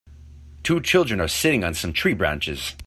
Two children are sitting in some tree branches.